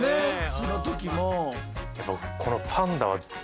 その時も。